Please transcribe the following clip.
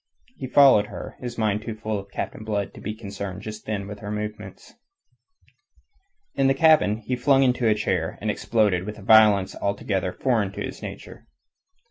He followed her, his mind too full of Captain Blood to be concerned just then with her movements. In the cabin he flung into a chair, and exploded, with a violence altogether foreign to his nature.